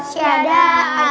masih ada yang mau ngelakuin